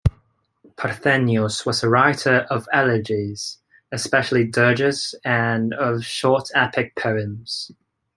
Parthenius was a writer of elegies, especially dirges, and of short epic poems.